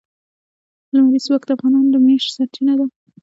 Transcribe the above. لمریز ځواک د افغانانو د معیشت سرچینه ده.